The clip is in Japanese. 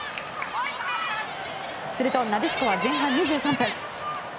すると、なでしこは前半２３分。